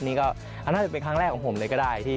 นี่ก็น่าจะเป็นครั้งแรกของผมเลยก็ได้